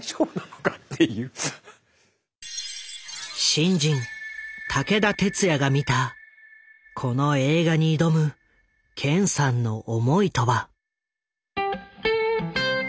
新人武田鉄矢が見たこの映画に挑む健さんの思いとは。